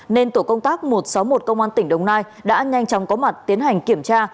nên tổ công tác một trăm sáu mươi một công an tỉnh đồng nai đã nhanh chóng có mặt tiến hành kiểm tra